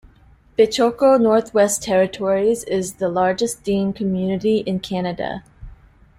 Behchoko, Northwest Territories is the largest Dene community in Canada.